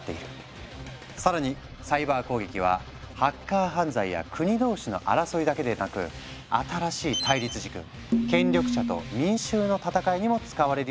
更にサイバー攻撃はハッカー犯罪や国同士の争いだけでなく新しい対立軸権力者と民衆の戦いにも使われるようになっていく。